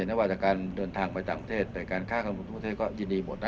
ประเทศน้วะจากการเดินทางไปต่างประเทศแต่การฆ่ากันของทุกประเทศก็ยืดยีหมดนะ